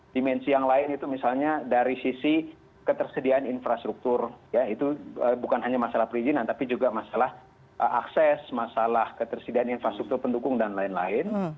dimensi yang lain itu misalnya dari sisi ketersediaan infrastruktur ya itu bukan hanya masalah perizinan tapi juga masalah akses masalah ketersediaan infrastruktur pendukung dan lain lain